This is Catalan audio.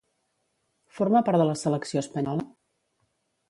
Forma part de la selecció espanyola?